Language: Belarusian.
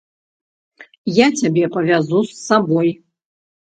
Я цябе павязу з сабой.